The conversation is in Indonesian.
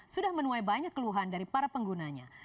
sudah menuai banyak keluhan dari para penggunanya